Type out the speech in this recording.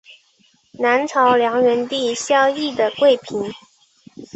南朝梁元帝萧绎的贵嫔。